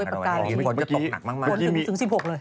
โอ้ยประกายนี้มีเหตุผลถึง๑๖เลยมันก็ตกหนักมาก